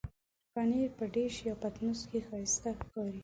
پنېر په ډش یا پتنوس کې ښايسته ښکاري.